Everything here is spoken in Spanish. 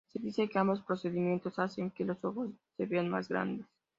Se dice que ambos procedimientos hacen que los ojos se vean más grandes.